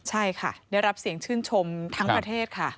ใช่ค่ะได้รับเสียงชื่นชมทั้งประเทศค่ะ